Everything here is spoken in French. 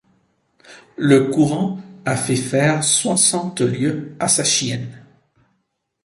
Le courant a fait faire soixante lieues à sa chienne.